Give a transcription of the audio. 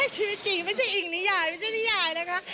ชื่อจริงไม่ใช่อิงนิยายไม่ใช่นิยายนะคะ